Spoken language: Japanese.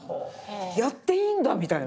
やっていいんだみたいな。